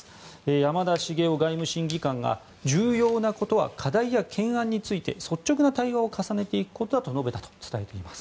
山田重夫外務審議官が重要なことは課題や懸案について率直な対話を重ねていくことだと話したと伝えています。